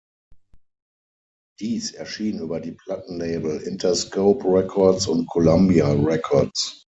Dies erschien über die Plattenlabel "Interscope Records und Columbia Records".